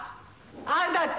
あんだって？